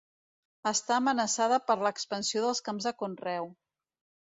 Està amenaçada per l'expansió dels camps de conreu.